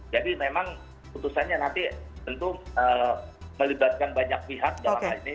jadi memang putusannya nanti tentu melibatkan banyak pihak dalam hal ini